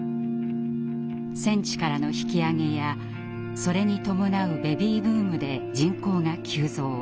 戦地からの引き揚げやそれに伴うベビーブームで人口が急増。